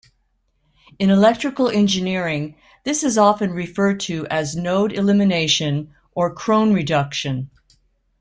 In electrical engineering this is often referred to as node elimination or Kron reduction.